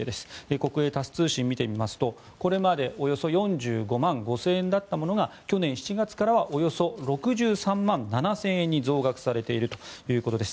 国営タス通信を見てみますとこれまで、およそ４５万５０００円だったものが去年７月からはおよそ６３万７０００円に増額されているということです。